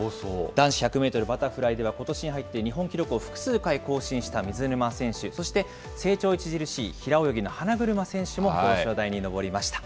男子１００メートルバタフライでは、ことしに入って日本記録を複数回更新した水沼選手、そして成長著しい平泳ぎの花車選手も表彰台に上りました。